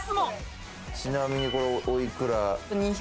ちなみに、これはおいくら？